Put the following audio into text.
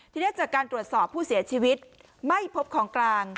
ทีนี้จากการตรวจสอบผู้เสียชีวิตไม่พบของกลาง